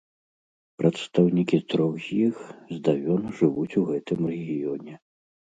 Прадстаўнікі трох з іх здавён жывуць у гэтым рэгіёне.